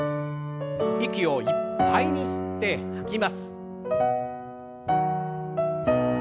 息をいっぱいに吸って吐きます。